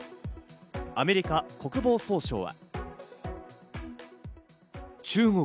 アメリカ国防総省は。